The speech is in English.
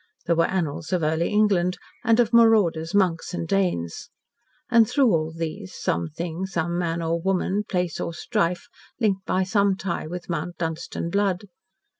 There were annals of early England, and of marauders, monks, and Danes. And, through all these, some thing, some man or woman, place, or strife linked by some tie with Mount Dunstan blood.